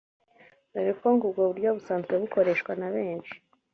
dore ko ngo ubwo buryo busanzwe bukoreshwa na benshi